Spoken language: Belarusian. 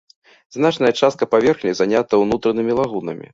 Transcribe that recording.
Значная частка паверхні занята ўнутранымі лагунамі.